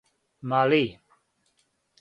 Мали